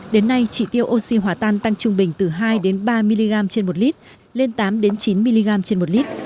đến nay chỉ tiêu oxy hòa tan tăng trung bình từ hai ba mg trên một lít lên tám chín mg trên một lít